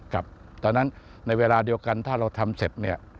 แต่ฉะนั้นในเวลาเดียวกันถ้าเราทำเสร็จ